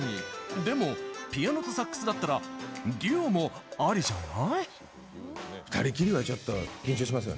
でもピアノとサックスだったらデュオもありじゃない？